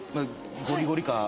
ゴリゴリか。